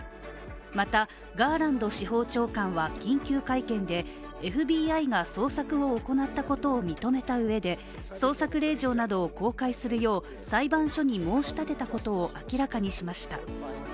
また、ガーランド司法長官は緊急会見でＦＢＩが捜索を行ったことを認めたうえで捜索令状などを公開するよう裁判所に申し立てたことを明らかにしました。